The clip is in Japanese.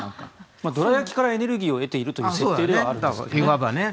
どら焼きからエネルギーを得ているという設定ですがね。